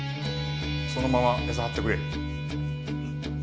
そのままヤサ張ってくれ。